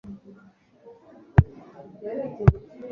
yabyaye Imburagihe none kurera Umwana byaramunaniye